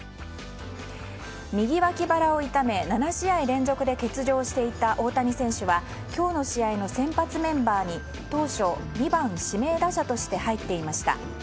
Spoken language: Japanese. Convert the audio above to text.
右脇腹を痛め７試合連続で欠場していた大谷選手は今日の試合の先発メンバーに当初、２番指名打者として入っていました。